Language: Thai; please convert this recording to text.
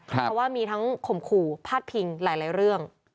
เพราะว่ามีทั้งข่มขู่พาดพิงหลายเรื่อง